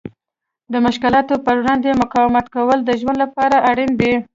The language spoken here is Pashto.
د مشکلاتو په وړاندې مقاومت کول د ژوند لپاره اړین دي.